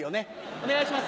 お願いします